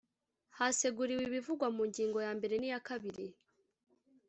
haseguriwe ibivugwa mu ngingo yambere n’iya kabiri